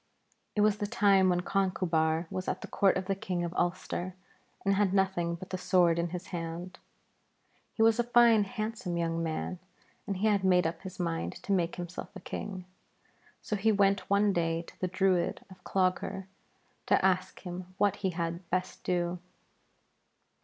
It was the time when Conchubar was at the court of the King of Ulster, and had nothing but the sword in his hand. He was a fine handsome young man, and he had made up his mind to make himself a king. So he went one day to the Druid of Clogher to ask him what he had best do.